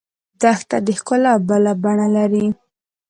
دښته د ښکلا بله بڼه لري.